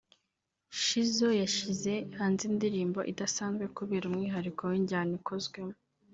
Shizzo yashize hanze indirimbo idasanzwe kubera umwihariko w'injyana ikozwemo